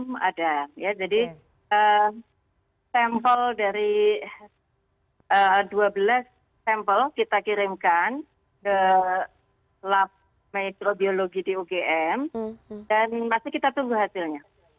belum ada ya jadi sampel dari dua belas sampel kita kirimkan ke lab metrobiologi di ugm dan pasti kita tunggu hasilnya